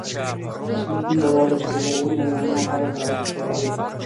اصلی ستونزه دا ده چې د لرغونې آریانا په اړه تاریخي شواهد